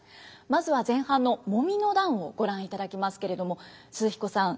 まずは前半の「揉の段」をご覧いただきますけれども寿々彦さん